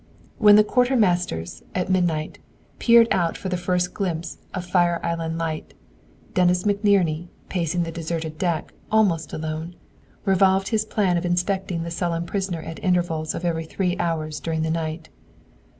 When the quartermasters, at midnight, peered out for the first glimpse of Fire Island light, Dennis McNerney, pacing the deserted deck, almost alone, revolved his plan of inspecting the sullen prisoner at intervals of every three hours during the night.